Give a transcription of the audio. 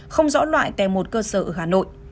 không rõ loại tại một cơ sở ở hà nội